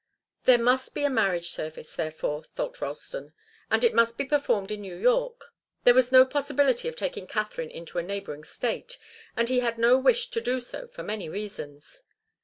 There must be a marriage service, therefore, thought Ralston, and it must be performed in New York. There was no possibility of taking Katharine into a neighbouring State, and he had no wish to do so for many reasons.